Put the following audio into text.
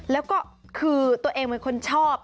แล้วก็คือตัวเองเป็นคนชอบ